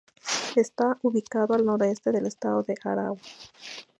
Está ubicado al noroeste del estado Aragua.